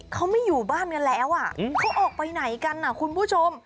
เขาไม่อยู่บ้านกันแล้วเขาออกไปไหนกันคุณผู้ชม